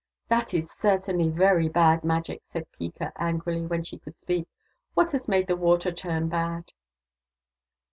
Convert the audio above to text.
" That is certainly very bad Magic," said Peeka angrily, when she could speak. " What has made the water turn bad